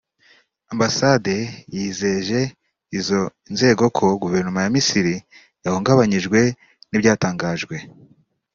Ambasade yizeje izo nzego ko Guverinoma ya Misiri yahungabanyijwe n’ibyatangajwe